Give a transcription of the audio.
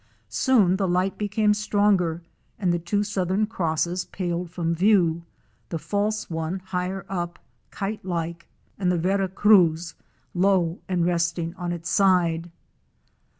Soon the light became stronger and the two southern crosses paled from view, the false one higher up, kite like, and the vera cruz, low and resting on its side.